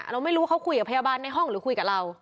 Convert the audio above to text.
เราไม่รู้เขาคุยกับพยาบาลในห้องหรือคุยกับเรา